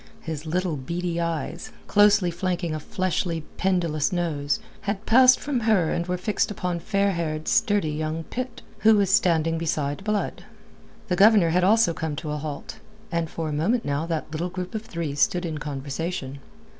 His little beady eyes, closely flanking a fleshly, pendulous nose, had passed from her and were fixed upon fair haired, sturdy young Pitt, who was standing beside Blood. The Governor had also come to a halt, and for a moment now that little group of three stood in conversation.